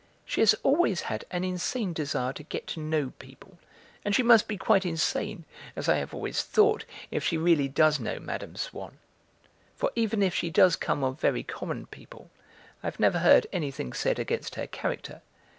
She has always had an insane desire to get to know people, and she must be quite insane, as I have always thought, if she really does know Mme. Swann. For even if she does come of very common people, I have never heard anything said against her character.